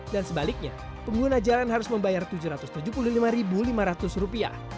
dan sebaliknya pengguna jalan harus membayar rp tujuh ratus tujuh puluh lima lima ratus